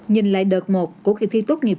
nhìn lại đợt một của kỳ thi tốt nghiệp